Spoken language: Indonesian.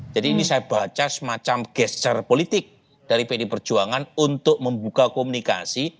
jadi ini saya baca semacam gesture politik dari pdi perjuangan untuk membuka komunikasi